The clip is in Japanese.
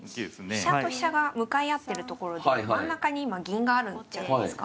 飛車と飛車が向かい合ってるところで真ん中に今銀があるじゃないですか。